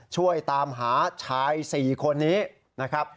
ช่วยตามหาชาย๔คนนี้นะครับ